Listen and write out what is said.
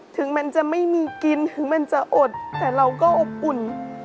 ถึงมันจะไม่มีกินถึงมันจะอดแต่เราก็อบอุ่น